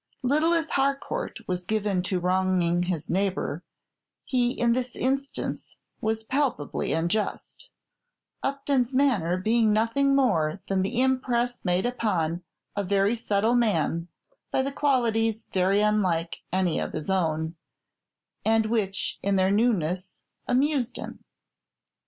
Little as Harcourt was given to wronging his neighbor, he in this instance was palpably unjust; Upton's manner being nothing more than the impress made upon a very subtle man by qualities very unlike any of his own, and which in their newness amused him.